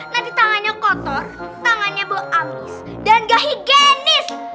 nanti tangannya kotor tangannya bau amis dan gak higenis